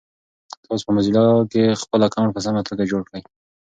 تاسو په موزیلا کې خپل اکاونټ په سمه توګه جوړ کړی؟